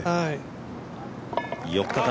４日間